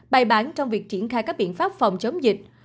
bài bán trong việc triển khai các biện pháp phòng chống dịch